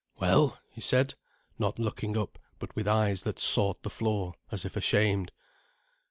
"Well?" he said, not looking up, but with eyes that sought the floor, as if ashamed.